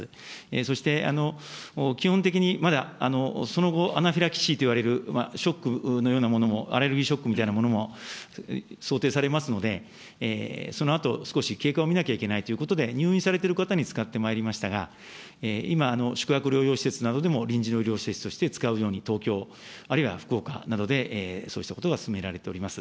そして、基本的に、またその後、アナフィラキシーといわれるショックのようなものも、アレルギーショックみたいなものも想定されますので、そのあと、少し経過を見なきゃいけないということで入院されている方に使ってまいりましたが、今、宿泊療養施設などでも臨時の療養施設として使うように、東京、あるいは福岡などでそうしたことが進められております。